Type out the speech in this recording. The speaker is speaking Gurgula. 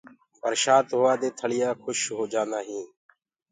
برشآت هووآ دي ٿݪيآ کُش هوجآنٚدآ هينٚ